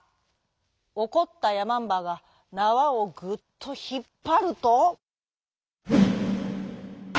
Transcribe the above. おこったやまんばがなわをグっとひっぱると。